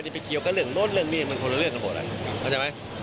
นี่เป็นเกี่ยวกับเรื่องที่นี่